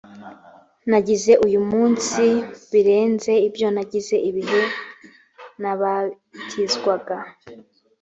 nagize uyu munsi birenze ibyo nagize igihe nabatizwaga